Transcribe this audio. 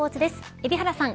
海老原さん